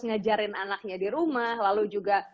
ngajarin anaknya di rumah lalu juga